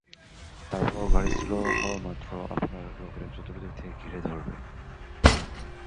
তারপর গাড়ি স্লো হওয়া মাত্র আপনার লোকেরা চতুর্দিক থেকে ঘিরে ধরবে।